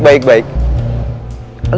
eh baik baik baik baik